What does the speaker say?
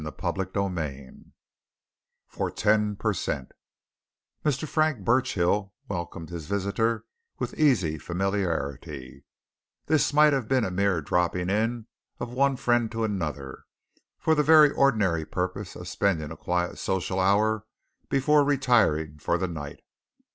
CHAPTER XII FOR TEN PER CENT Mr. Frank Burchill welcomed his visitor with easy familiarity this might have been a mere dropping in of one friend to another, for the very ordinary purpose of spending a quiet social hour before retiring for the night.